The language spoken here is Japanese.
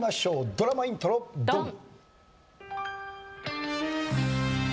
ドラマイントロドン！